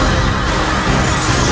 aku tidak percaya